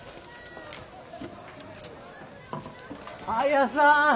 綾さん！